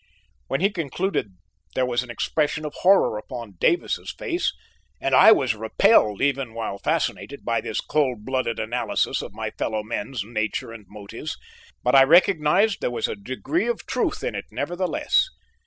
When he concluded there was an expression of horror upon Davis's face and I was repelled even while fascinated by this cold blooded analysis of my fellow men's nature and motives, but I recognized there was a degree of truth in it, nevertheless.